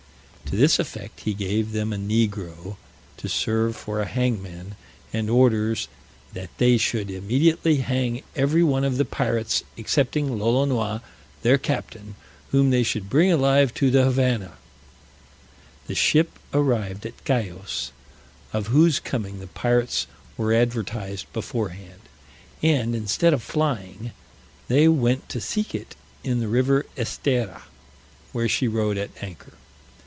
To this effect he gave them a negro to serve for a hangman, and orders, "that they should immediately hang every one of the pirates, excepting Lolonois, their captain, whom they should bring alive to the Havannah." This ship arrived at Cayos, of whose coming the pirates were advertised beforehand, and instead of flying, went to seek it in the river Estera, where she rode at anchor.